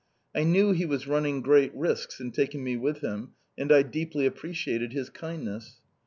I knew he was running great risks in taking me with him, and I deeply appreciated his kindness.